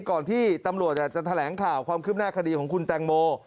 ก่อนที่ตำรวจจะแถลงข่าวความคืบหน้าคดีของคุณแตงโม